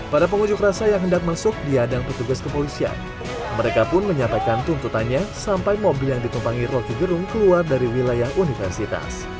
pada pengunjuk rasa yang hendak masuk diadang petugas kepolisian mereka pun menyatakan tuntutannya sampai mobil yang ditumpangi rocky gerung keluar dari wilayah universitas